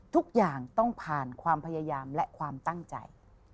ทุกอย่างต้องผ่านความพยายามและความตั้งใจ